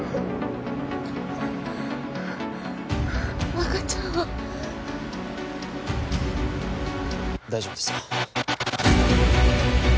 赤ちゃんは大丈夫ですよ